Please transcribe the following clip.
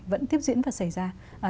vẫn tiếp diễn và xảy ra